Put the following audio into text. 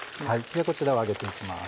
ではこちらを上げて行きます。